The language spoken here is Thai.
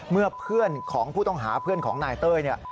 เมื่อเพื่อนของผู้ต้องหาเพื่อนของนายเต้ย